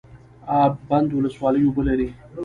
اب بند ولسوالۍ اوبه لري؟